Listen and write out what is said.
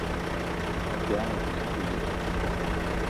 La gare est équipée d'automates.